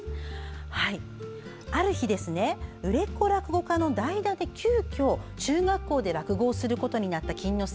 ある日、売れっ子落語家の代打で急きょ中学校で落語をすることになった錦之助。